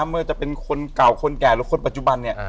เมื่อจะเป็นคนเก่าคนแก่หรือคนปัจจุบันเนี่ย